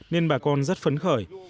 nên bà con rất phấn khởi